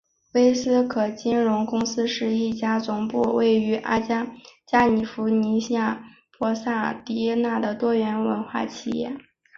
魏斯可金融公司是一家总部位于加尼福尼亚州帕萨迪纳的多元化金融企业。